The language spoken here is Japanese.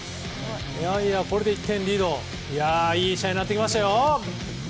これで１点リードいい試合になってきましたよ！